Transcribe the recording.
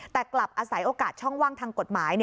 แต่กลับอาศัยโอกาสช่องว่างทางกฎหมาย